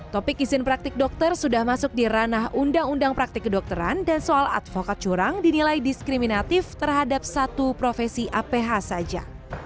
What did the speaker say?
topik izin praktik dokter sudah masuk di ranah undang undang praktik kedokteran dan soal advokat curang dinilai diskriminatif terhadap satu profesi aph saja